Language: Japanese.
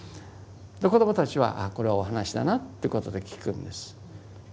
子どもたちはああこれはお話だなってことで聞くんです。